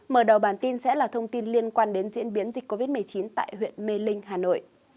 mở đầu bản tin sẽ là thông tin liên quan đến diễn biến dịch covid một mươi chín tại huyện mê linh hà nội